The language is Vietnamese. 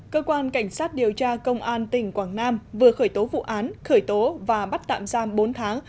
cơ quan cảnh sát điều tra công an tỉnh quảng nam vừa khởi tố vụ án khởi tố và bắt tạm giam bốn tháng